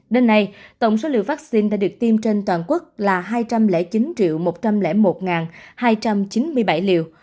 đến nay tổng số liều vaccine đã được tiêm trên toàn quốc là hai trăm linh chín một trăm linh một hai trăm chín mươi bảy liều